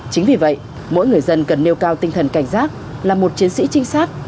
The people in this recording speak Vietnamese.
chính vì vậy mỗi người dân cần nêu cao tinh thần cảnh giác là một chiến sĩ trinh sát